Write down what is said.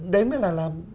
đấy mới là làm